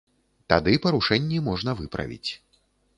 Тады парушэнні можна выправіць.